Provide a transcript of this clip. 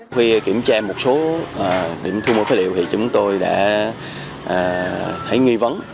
khi kiểm tra một số điểm thu mua phế liệu thì chúng tôi đã thấy nghi vấn